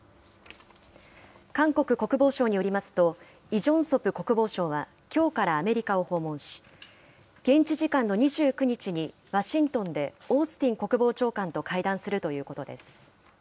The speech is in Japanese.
韓国国防省によりますと、イ・ジョンソプ国防相はきょうからアメリカを訪問し、現地時間の２９日にワシントンで、オースティン国防長官と会談するということです。